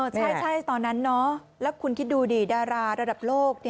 ใช่ตอนนั้นแล้วคุณคิดดูดิดาราระดับโลก